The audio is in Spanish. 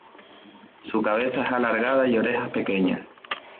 Su cabeza es alargada y orejas pequeñas.